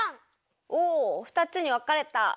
お２つにわかれた！